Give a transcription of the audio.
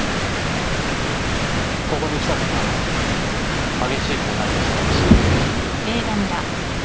ここに来た途端激しい混乱に襲われました。